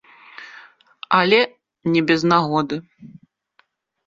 Але не без нагоды.